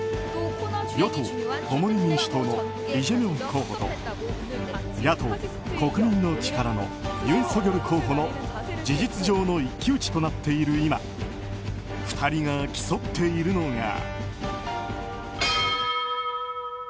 与党・共に民主党のイ・ジェミョン候補と野党・国民の力のユン・ソギョル候補の事実上の一騎打ちとなっている今２人が競っているのが。